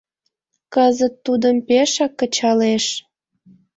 Кызыт тудым пешак кычалеш